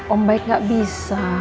om baik gak bisa